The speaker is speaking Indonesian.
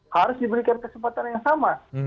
harus diberikan kesempatan yang sama